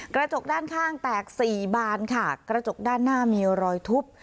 กระจกด้านข้างแตกสี่บานค่ะกระจกด้านหน้ามีรอยทุบ